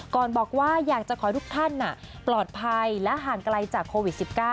ก่อนบอกว่าอยากจะขอให้ทุกท่านปลอดภัยและห่างไกลจากโควิด๑๙